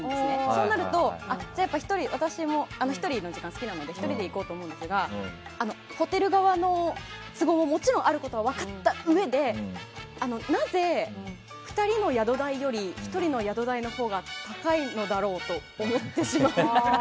そうなると私、１人の時間が好きなので１人で行こうと思うんですがホテル側の都合ももちろんあることは分かったうえでなぜ２人の宿代より１人の宿代のほうが高いのだろうと思ってしまったり。